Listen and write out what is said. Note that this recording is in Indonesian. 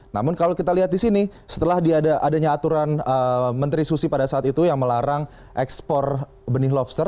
namun kalau kita lihat di sini setelah adanya aturan menteri susi pada saat itu yang melarang ekspor benih lobster